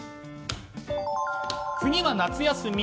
次は夏休み。